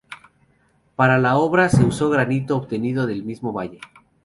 Para la obra se usó granito obtenido del mismo valle.